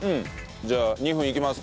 じゃあ２分いきます。